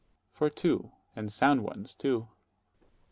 _ For two; and sound ones too.